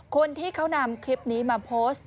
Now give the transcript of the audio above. คนที่เขานำคลิปนี้มาโพสต์